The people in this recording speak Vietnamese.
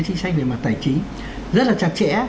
chính sách về mặt tài chính rất là chặt chẽ